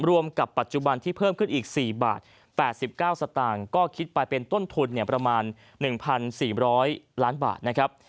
รวมกับปัจจุบันที่เพิ่มขึ้นอีก๔บาท๘๙สตางค์ก็คิดไปเป็นต้นทุนประมาณ๑๔๐๐ล้านบาทนะครับ